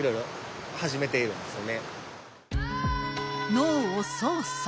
脳を操作。